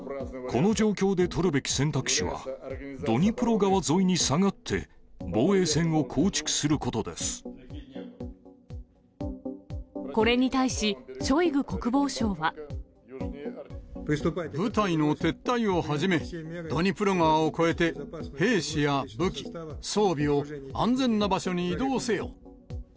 この状況で取るべき選択肢は、ドニプロ川沿いに下がって、これに対し、ショイグ国防相部隊の撤退をはじめ、ドニプロ川を越えて、兵士や武器、装備を安全な場所に移動せよ。